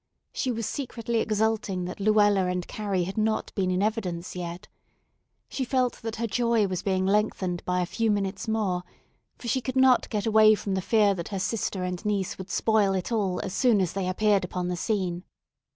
She was secretly exulting that Luella and Carrie had not been in evidence yet. She felt that her joy was being lengthened by a few minutes more, for she could not get away from the fear that her sister and niece would spoil it all as soon as they appeared upon the scene.